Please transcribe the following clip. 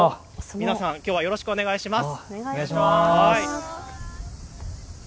皆さんきょうはよろしくお願いします。